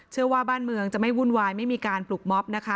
เชื่อว่าบ้านเมืองจะไม่วุ่นวายไม่มีการปลุกม็อบนะคะ